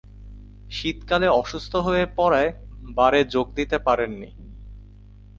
শীতকালে অসুস্থ হয়ে পড়ায় বারে যোগ দিতে পারেননি।